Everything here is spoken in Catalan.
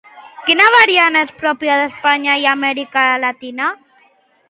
Quina variant és pròpia d'Espanya i Amèrica Llatina?